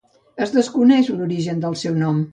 Es desconeix l'origen del seu nom.